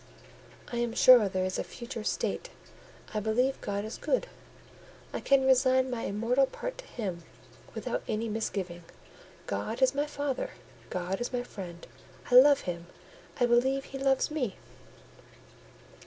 "I am sure there is a future state; I believe God is good; I can resign my immortal part to Him without any misgiving. God is my father; God is my friend: I love Him; I believe He loves me."